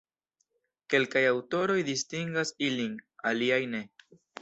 Kelkaj aŭtoroj distingas ilin, aliaj ne.